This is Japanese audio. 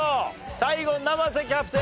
最後生瀬キャプテン